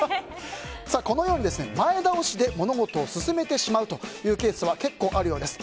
このように前倒しで物事を進めてしまうというケースは結構あるようです。